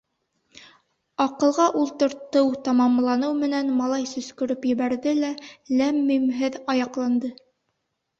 «Аҡылға ултыртыу» тамамланыу менән малай сөскөрөп ебәрҙе лә ләм-мимһеҙ аяҡланды.